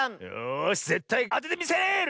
よしぜったいあててみせる！